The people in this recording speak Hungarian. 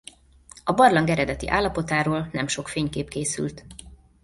A barlang eredeti állapotáról nem sok fénykép készült.